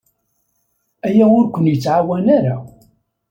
Aya ur ken-yettɛawan ara.